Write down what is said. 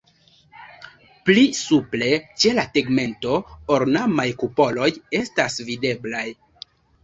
Pli supre ĉe la tegmento ornamaj kupoloj estas videblaj.